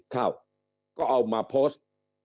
ก็เอามาโพสต์